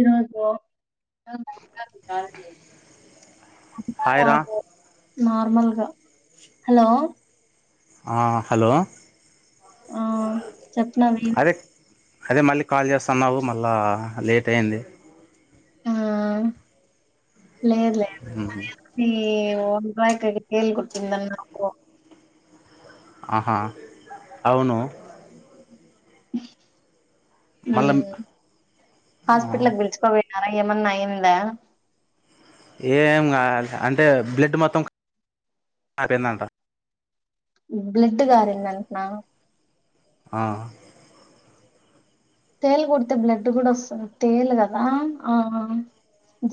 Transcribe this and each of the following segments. ఈరోజు హాయ్ రా రాదు నార్మల్గా హలో ఆ హలో, ఆ చెప్పినవి అరె అదే మళ్ళీ కాల్ చేస్తాన్నావు మళ్ళా లేట్ అయింది. ఆ లేద్ లే ఉహు ది వంకాయ దగ్గరకెళ్ళి కొట్టిందన్నట్టు అహ అవును మళ్ళా ఉమ్ హాస్పిటల్కి విలుచుకు పోయినార ఏమన్నయిందా? ఏం కాల అంటే బ్లడ్ మొత్తం ఆపోయిందంట. బ్లిట్ గారిందంటనా? ఆ తేలు కుడితే బ్లడ్ కూడ వస్తద? తేలు కదా ఆ ఆ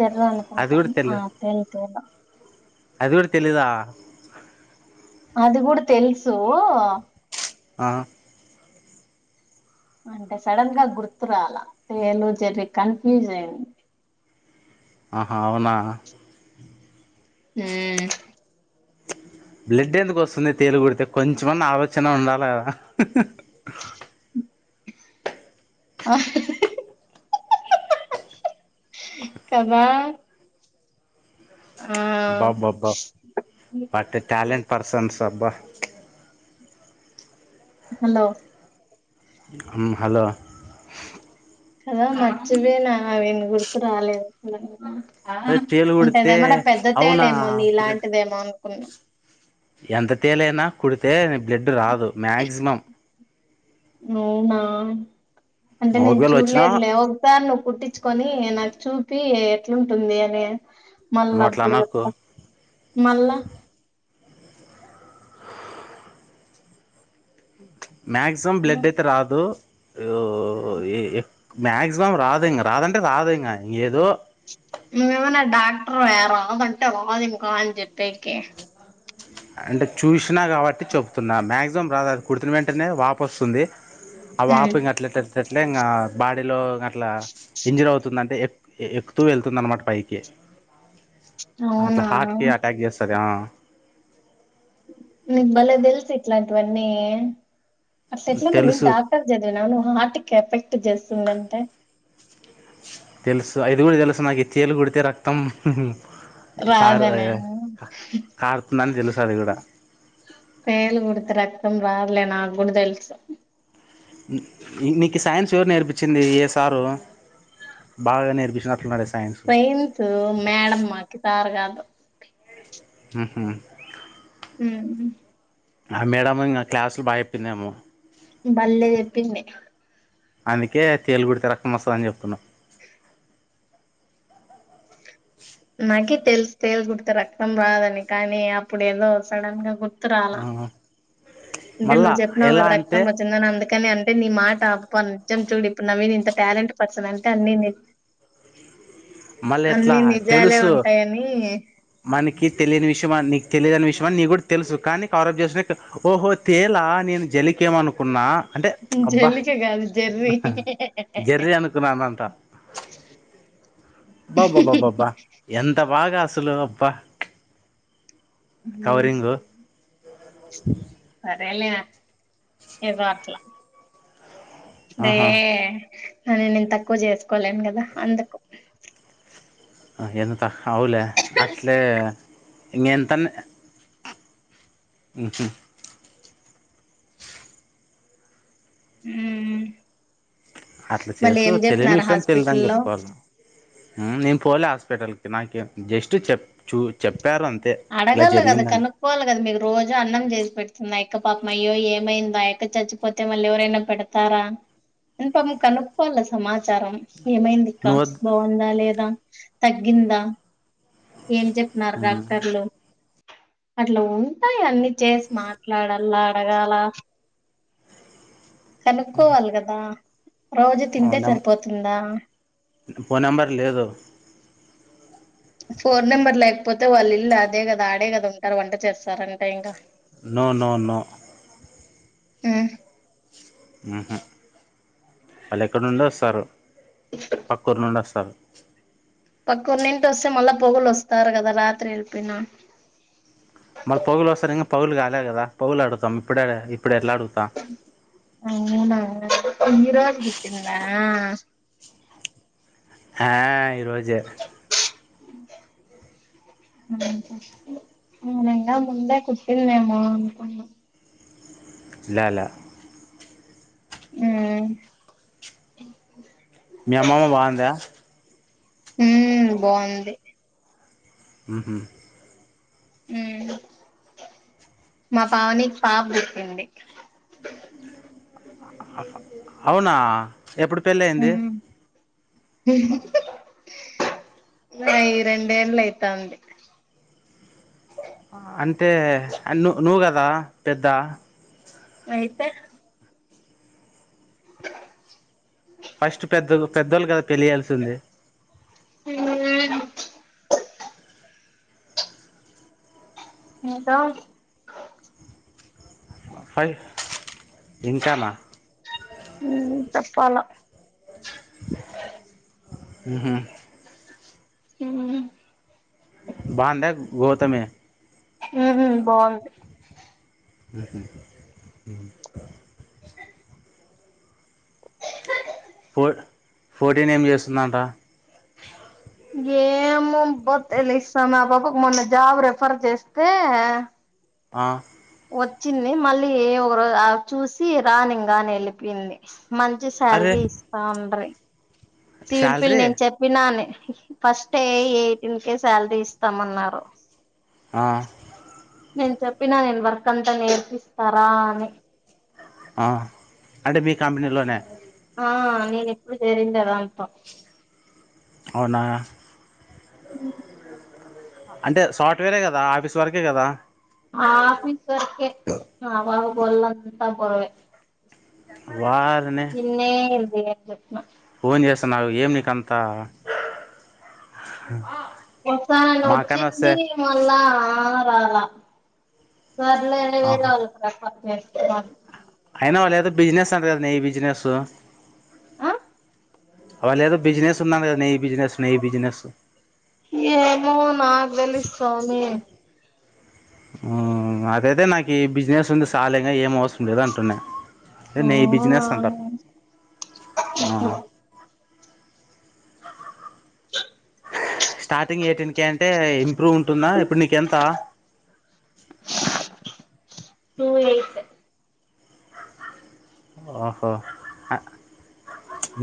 జర్రాని అంట అది కూడా ఆ తెలీదు పెల్ తెల అది కూడ తెలీదా? అది కుడ తెలుసు ఆ అంటే సడన్ గా గుర్తురాలా. తేలు, జెర్రీ కన్ఫ్యూజ్ అయింది. ఆహ అవునా ఉమ్ బ్లడ్ ఎందుకు వస్తుంది తేలుకుడితే కొంచెమన్న ఆలోచన ఉండాలె కదా కదా ఆ బాబ్బాబ్బా వాట్ ఎ ట్యాలెంట్ పర్సన్స్ అబ్బా హలో ఉమ్ హలో కదా మర్చిపోయినా ఐ మీన్ గుర్తు రాలేదు. ఆ అదే తేలు కుడితే అంటేదేమన్నా పెద్ద తేలు అవునా ఏమో నీ బ్లడ్ ఇలాంటిదేమో అనుకున్నం. ఎంత తేలైనా కుడితే బ్లడ్ రాదు మాక్సిమం అవునా అంటే నేను ఒకవేళ వచ్చినా చూడ్లేదులే ఓక్ తేలు కుట్టించుకొని నాకు చూపి ఎట్లుంటుంది అని నువ్వు అట్లా మల్లప్పుడు అనకు చెప్త మల్ల మాక్సిమం బ్లడ్ అయితే రాదు. ఉ ఈ మాక్సిమం రాదు ఇంగ రాదంటే రాదు ఇంగా ఏదో నువ్వేమనా డాక్టర్ వ్యా రాదంటే రాదు ఇంకా అన్ చెప్పేకి అంటే చూసినా కాబట్టి చెప్తున్నా మ్యాక్సిమం రాదు అది కుట్టినవెంటనే వాపోస్తుంది ఆ వాపు ఇంకాఅట్లట్ల్ ట్లే ఇంకా బాడీలో అట్లా ఇంజరవుతుందంటే ఎక్ ఎక్కుతూ వెళ్తుందన్నమాట పైకి అట్లా అవునా హార్ట్ కి అటాక్ చేస్తది ఆ నీకు బలే తెల్సు ఇట్లాన్ టివన్నీ అట్ల్ ఎట్ల నువ్వేం తెలుసు డా క్టర్ చదివినావా నువ్వు హార్ట్ కెఫెక్ట్ చేస్తుందంటే తెల్సు ఇది కూడా తెల్సు నాకి తేలు కుడితే రక్తం పారు రాదనా కారుతుందని తెలుసు అది కూడా తేలుకుడితే రక్తం రాదులే నాగ్గుడా తెల్సు నీకి సైన్స్ ఎవరు నేర్పించింది ఏ సారు బాగా నేర్పించినట్టునడే సారు సైన్సు మేడమ్ మాకి సారు కాదు హు హు ఊ ఆమేడమూ ఇంగా క్లాసులో బాగా చెప్పిందేమో బళ్లె చెప్పింది అందుకే తేలు కుడితే రక్తం వస్తది అని చెప్తున్నావ్ [unintelligible] నాకి తెల్సు తేలు కుడితే రక్తం రాదని కానీ అప్పుడేదో సడన్ గా గుర్ ర్తురాల అంటే మళ్ళా నువ్వు చెప్పినావు ఎలా కదా అంటే రక్తం వస్ స్తుందని అందుకనే అంటే నీ మాట అబ్ నిజం చూడు ఇప్పుడు నవీన్ ఇంత టాలెంట్ పర్సన్ అంటే అన్ని నీకు [unintelligible] మల్లెట్లా భయాలే ఉంటాయని మనకి తెలియని విషయం ఆ నీకు తెలియదని విషయం నీకు కూడా తెలుసు కానీ కవ రోప్ చేసినట్టుఓహో తేలా నేను జలికేమనుకున్నా అంటే అబ్బా జల్లిక కాదు జెర్రీ జెర్రీ బ్బ బ్బ బ్బ బ్బ అబ్బా ఎంత బాగా అసలు అబ్బా కవరింగు సరేలేరా ఏదో అట్లా డే ఆహా నన్ను నేను తక్కువ చేస్కోలేను కదా అందుకు ఎంత అవులే అట్లే ఇన్ గెంతన్ ఊహు అట్లా మళ్ళీ చేసుకో ఏం తెలియని చెప్పినారు విషయం తెలిదని హాస్పిటల్లో చెప్పాలి ఊ నేను పోలే హాస్పిటల్కి నాకు జస్ట్ చెప్ చూ చెప్పారు అం అడగాల కదా కను కోవాలి కదా మీకు రోజు అన్నం చేసి పెడుతుంది ఆ ఎక్క పాపం అయ్యో ఏమైందా ఎక్క చచ్చిపోతే మళ్ళీ ఎవరైనా పెడత తారా ఇ పాపం కనుక్కకోవాల సమాచారం ఏమైంది కాస్ నువ్వద్ బాఉందా లేదా తగ్గిందా ఏం చెప్తున్నారు డాక్టర్లు అట్లా ఉంటాయి అన్ని చేసి మాట్లాడలా అడగాల కనుక్కోవాల కదా రోజు తింటే నం సరిపోతుందా ఫోన్ నెంబర్ లేదు ఫోన్ నెంబర్ లేకపోతే వాళ్ళిళ్ళు అదే కదా ఆడే కదా ఉంటారు వంట చేస్తారంటే ఇంకా నో నో నొ ఉం ఆహా వాళ్ళు ఎక్కడ నుండి వస్తారు పక్క ఊరు నుండి వస్తారు పక్క ఊరి నింటి వస్తే మళ్ళా పొగులు వస్తారు కదా రాత్రి వెళ్ళపోన మళ్ళీ పగులు వస్తారు ఇంకా పగులు కాలే కదా పగులు అడుగుతాం ఇప్పుడు ఇప్పుడు ఎట్లా అడుతాం [unintelligible] అవునా ఇరాబటింద ఆ ఈ రోజే [unintelligible] అ నంగా ముందే కుటింద నేము అన్క లేలా ఉం మీ అమ్మమ్మ బాగుందా ఉం బాగుంది హు హామ్ ఉం మా పావనికి పాప పుట్టింది అవునా ఎప్పుడు పెళ్ళి అయింది అయ్యి రెండేళ్ళ అయితాంది ఆ అంటే ను నువ్వు కదా పెద్ద అయితే ఫస్ట్ పెద్ద పెద్దోళ కదా తెలియాల్సింది హ ఇంకా ఇంకానా ఉం చెప్పాల హు హామ్ ఆ బావుందా గౌతమి ఉం బాగుంది హు హామ్ ఫో ఫోర్టీన్ ఏం చేస్తుందంట ఏం బొలి [unintelligible] ఇస్తా మా పాబకు మొన్న జాబ్ రెఫర్ చేస్తే ఆ వచ్చింది మళ్ళీ ఏ ఒకరోజ చూసి రానింకా అని వెళ్ళిపోంది మంచి అరే శాలరీ ఇస్తా ఆండ్రి సివిల్ ఫీల్డ్ శాలరీ నేను చెప్పినాను ఫస్ట్ ఎయిటీన్ కే శాలరీ ఇస్తామన్నారు ఆ నేను చెప్పినా నేను వర్క్ అంతా నేర్పిస్తా రా అని ఆ అంటే మీ కంపెనీలోనే ఆ నేను ఇప్పుడు చేరిండే దాంట్లో అవునా ఉం అంటే సాఫ్ట్వేరే కదా ఆఫీస్ వర్క్ ఏ కదా ఆ ఆఫీసు వర్క్ ఏ ఆ పాపకి ఒళ్ళంతా బరువే వారిని నేనుగూడ ఇల్ది అ చెప్నా [unintelligible] ఫోన్ చేస్తా నాకు ఏం నీకు అంతా వస్తానని వచ్చింది మల్ల రాలా సర్ల అనే వేర ఆహా అ [inaudible] అయినా లేదో బిజినెస్ అంటారు ని బిజినెస్ ఆ వాళ్లు ఏదో బిజినెస్ ఉందంటనే నీ బిజినెస్ నీ బిజినెస్ ఏమో నాకు తెలియదు స్వామి ఉ అదయితే నాకు ఈ బిజినెస్ ఉంది సాల్లే ఏం అవసరం లేదు అంటున్న ఆ నీ బిజినెస్ అంట ఉ ఉ స్టార్టింగ్ ఎయిటీన్ కే అంటే ఇంప్రూవ్ ఉంటుందా ఇప్పుడు నీకెంత టూ ఎయిట్ ఓహో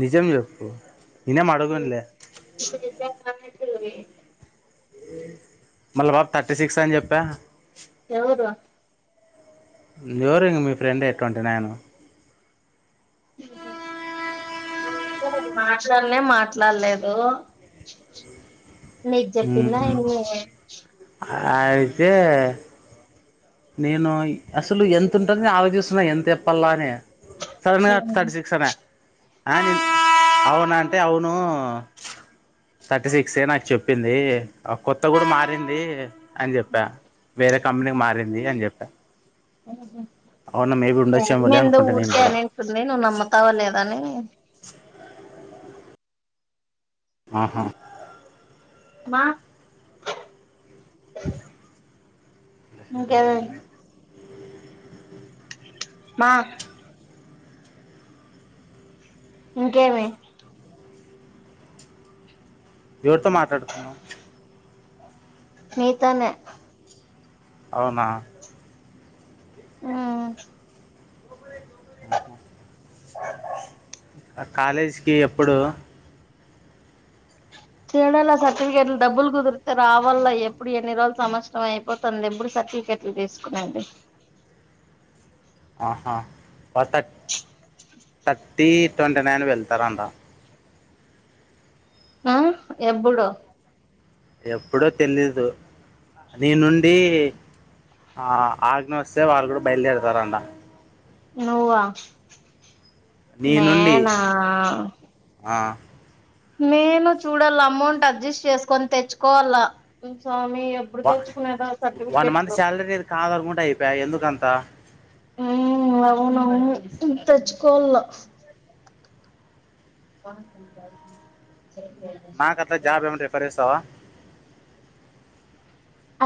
నిజం చెప్పు నేనేం అడగనులే ఇ [unintelligible] మల్ల ఆ పాప థర్టీ సిక్స్ అని చెప్పా తెలీదు నాకు ఎవరు ఇంకా మీ ఫ్రెండే ట్వంటీ నైన్ [inaudible] ఆమెతో నేను మాటలన్నీ మాట్లాడలేదు నీకు చెప్పిందా మ్మ్ అమ్మి అయితే నేను ఓయ్ అసలు ఎంత ఉంటంది ఆలోచిస్తున్నా ఎంత చెప్పాల అని సడన్గా థర్టీ ఈమె సిక్స్ అనే ఆ అవునంటే అవును థర్టీ సిక్స్ నాకు చెప్పింది ఆ కొత్త కూడా మారింది అని చెప్పా వేరే కంపెనీకి మారింది అని చెప్పా అవునా మేబీ అమ్మి ఉండొచ్చేమోలే ఏందో అనుకుంటా నేను ఊరికే కూడా అనింటుంది నువ్వు నమ్ముతావో లేద అని ఆహా మా ఇంకేమి మా ఇంకేమి ఎవరితో మాట్లాడుతున్నావు నీతోనే అవునా ఉ కాలేజీకి ఎప్పుడు చూడల్ల సర్టిఫికెట్లు డబ్బులు కుదిరితే రావల్ల ఎప్పుడు ఎన్ని రోజులు సంవత్సరం అయి పోతుంది ఎప్పుడు సర్టిఫికెట్లు తీసుకునేది ఆహా వాల్ తట్ థర్టీ ట్వంటీ నైన్ వెళ్తారంట ఆ ఎప్పుడు ఎప్పుడో తెలీదు నీ నుండి ఆహా ఆగ్న వస్తే వాళ్లు కూడా బయలుదేరుతారంట నువ్వా నీ నుండి నేనా ఆ నేను చూడల్ల అమౌంట్ అడ్జస్ట్ చేసుకొని తెచ్చుకోవాల స్వామి ఇప్పుడు వ తెచ్చుకునేదో వన్ సర్టిఫికెట్ మంత్ లో శాలరీ నీది కాదనుకుంటే అయిపోయా ఎందుకంతా అవునవును తెచ్చుకోవాల జబ్ ఏం రిఫర చేస్తావా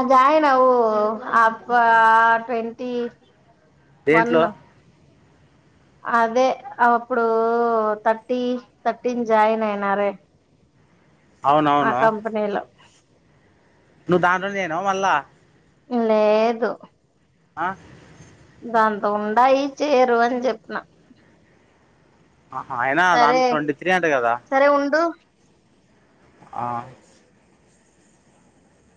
అ జాయన్ ఆవు ఆబ ట్వంటీ వన్ దేంట్లో అదే అప్పుడు థర్టీ థర్టీన్ జాయిన్ అయినారే ఆ అవునవును కంపెనీలో నువ్వు దాంట్లోనే చేరినవ మళ్ళా లేదు ఆ దాంతో ఉండయి చేరు అని చెప్పిన ఆ అయినా సరే దాంట్లో ట్వంటీ త్రీ అంట కదా సరే ఉండు ఆ